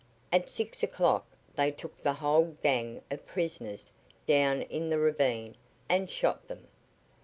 At six o'clock they took the whole gang of prisoners down in the ravine and shot them.